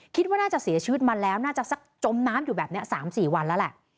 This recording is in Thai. คิดว่าน่าจะเสียชีวิตมาแล้วน่าจะสักจมน้ำอยู่แบบนี้๓๔วันแล้วแหละ